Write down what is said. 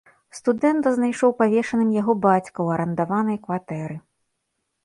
Студэнта знайшоў павешаным яго бацька ў арандаванай кватэры.